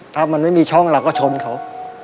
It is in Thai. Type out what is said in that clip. ถ้ามันไม่มีช่องเราก็ชนเขา